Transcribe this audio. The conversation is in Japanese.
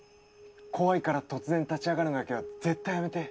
怖いから突然立ち上がるのだけは絶対やめて。